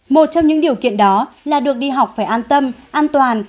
một trong những điều kiện đó là được đi học phải an tâm an toàn